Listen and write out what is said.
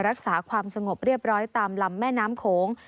รักษาความสงบเรียบร้อยตามลำแม่น้ำโขง